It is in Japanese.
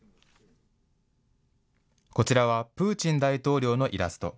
こちらはプーチン大統領のイラスト。